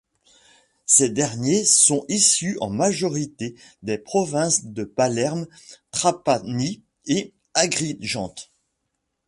Ces derniers sont issus en majorité des provinces de Palerme, Trapani et Agrigente.